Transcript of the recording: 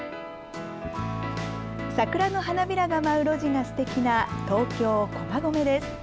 桜の花びらが舞う路地がすてきな東京・駒込です。